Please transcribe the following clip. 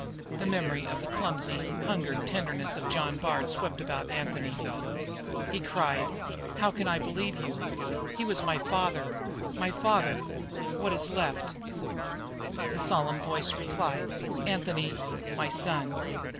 The memory of the clumsy, hungered tenderness of John Bard swept about Anthony. He cried: "How can I believe? My father has killed my father; what is left?" The solemn voice replied: "Anthony, my son!"